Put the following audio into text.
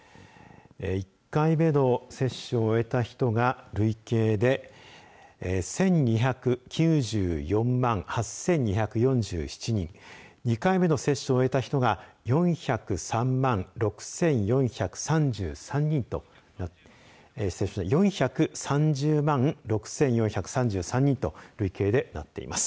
１回目の接種を終えた人が累計で１２９４万８２４７人２回目の接種を終えた人が４０３万６４３３人となっています。